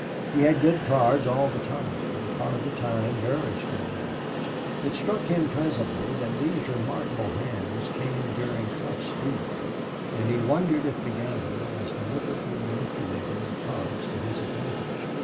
He had good cards all the time, and part of the time very strong ones. It struck him presently that these remarkable hands came during Hough's deal, and he wondered if the gambler was deliberately manipulating the cards to his advantage.